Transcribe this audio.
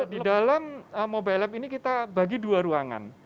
di dalam mobile lab ini kita bagi dua ruangan